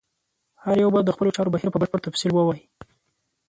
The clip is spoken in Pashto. هر یو به د خپلو چارو بهیر په بشپړ تفصیل ووایي.